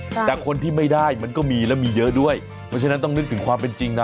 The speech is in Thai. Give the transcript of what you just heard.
แต่คนที่ไม่ได้มันก็มีและมีเยอะด้วยเพราะฉะนั้นต้องนึกถึงความเป็นจริงนะ